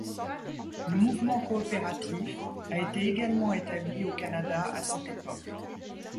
Le mouvement coopératif a été également établi au Canada à cette époque.